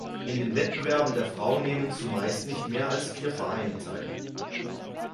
In den Wettbewerben der Frauen nehmen zumeist nicht mehr als vier Vereine teil.